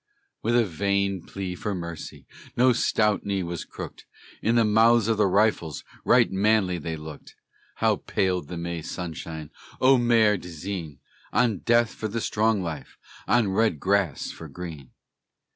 With a vain plea for mercy No stout knee was crooked; In the mouths of the rifles Right manly they looked. How paled the May sunshine, O Marais du Cygne! On death for the strong life, On red grass for green!